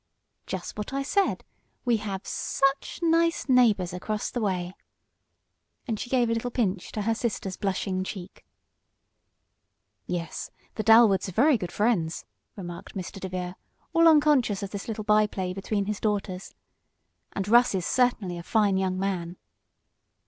"Just what I said we have such nice neighbors across the way," and she gave a little pinch to her sister's blushing cheek. "Yes, the Dalwoods are very good friends," remarked Mr. DeVere, all unconscious of this little by play between his daughters. "And Russ is certainly a fine young man."